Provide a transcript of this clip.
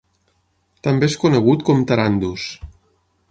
També es conegut com Tarandus.